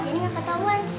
jadi gak ketauan